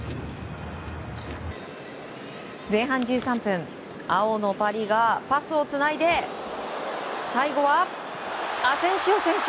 前半１３分、青のパリがパスをつないで最後はアセンシオ選手！